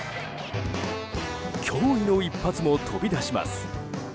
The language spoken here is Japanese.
驚異の一発も飛び出します。